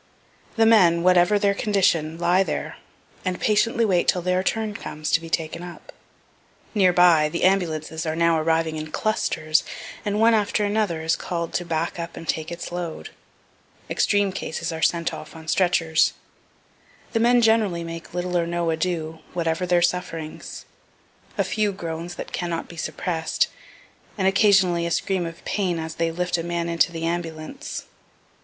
The men, whatever their condition, lie there, and patiently wait till their turn comes to be taken up. Near by, the ambulances are now arriving in clusters, and one after another is call'd to back up and take its load. Extreme cases are sent off on stretchers. The men generally make little or no ado, whatever their sufferings. A few groans that cannot be suppress'd, and occasionally a scream of pain as they lift a man into the ambulance.